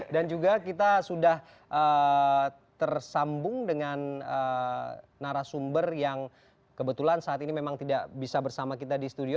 dan juga kita sudah tersambung dengan narasumber yang kebetulan saat ini memang tidak bisa bersama kita di studio